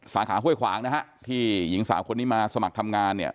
สาขาห้วยขวางนะฮะที่หญิงสาวคนนี้มาสมัครทำงานเนี่ย